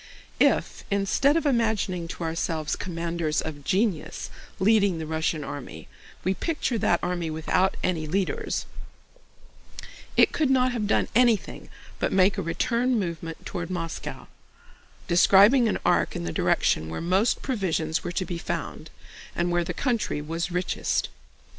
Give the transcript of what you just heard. If instead of imagining to ourselves commanders of genius leading the Russian army, we picture that army without any leaders, it could not have done anything but make a return movement toward Moscow, describing an arc in the direction where most provisions were to be found and where the country was richest.